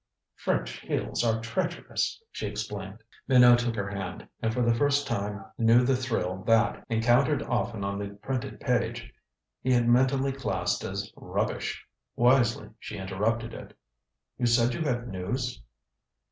"French heels are treacherous," she explained. Minot took her hand, and for the first time knew the thrill that, encountered often on the printed page, he had mentally classed as "rubbish!" Wisely she interrupted it: "You said you had news?"